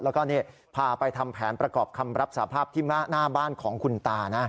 แล้วก็พาไปทำแผนประกอบคำรับสาภาพที่หน้าบ้านของคุณตานะ